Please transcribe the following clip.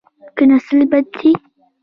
کښېناستل بد دي.